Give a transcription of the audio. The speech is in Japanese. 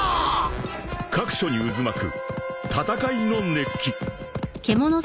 ［各所に渦巻く戦いの熱気］